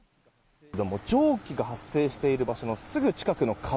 蒸気が発生している場所の、すぐ近くの川。